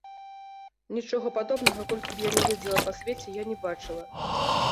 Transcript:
Нічога падобнага, колькі б я ні ездзіла па свеце, я не бачыла.